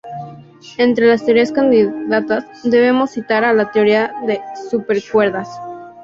Entre las teorías candidatas debemos citar a la teoría de supercuerdas.